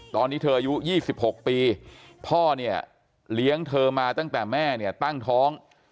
ตอนนี้เธออายุ๒๖ปีพ่อเนี่ยเลี้ยงเธอมาตั้งแต่แม่เนี่ยตั้งท้อง